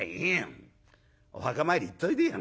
お墓参り行っといでよ」。